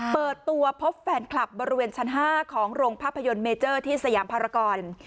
เปิดตัวพบแฟนคลับบริเวณชั้น๕ของโรงภาพยนตร์เมเจอร์ที่สยามภารกร